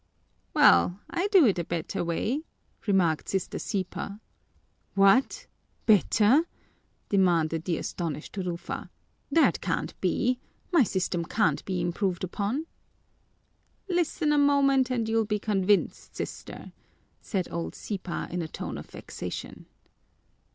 "Well, I do it a better way," remarked Sister Sipa. "What? Better?" demanded the astonished Rufa. "That can't be! My system can't be improved upon!" "Listen a moment and you'll be convinced, Sister," said old Sipa in a tone of vexation.